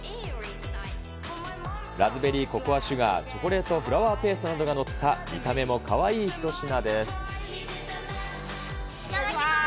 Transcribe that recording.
ラズベリーココアシュガー、チョコレートフラワーペーストなどが載った見た目もかわいい一品いただきます。